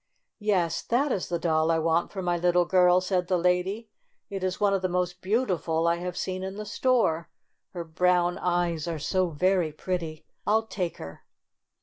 "Yes, that is the doll I want for my little girl," said the lady. "It is one of the most beautiful I have seen in the store. Her brown eyes are so very pretty. I'll take her."